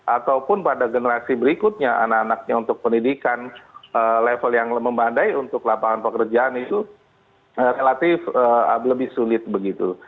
ataupun pada generasi berikutnya anak anaknya untuk pendidikan level yang membandai untuk lapangan pekerjaan itu relatif lebih sulit begitu